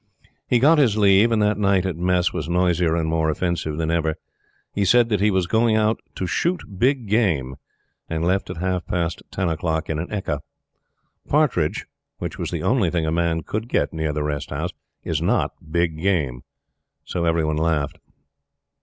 He got his leave, and that night at Mess was noisier and more offensive than ever. He said that he was "going to shoot big game", and left at half past ten o'clock in an ekka. Partridge which was the only thing a man could get near the Rest House is not big game; so every one laughed.